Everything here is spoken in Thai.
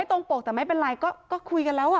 ตรงปกแต่ไม่เป็นไรก็คุยกันแล้ว